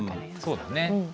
そうだね。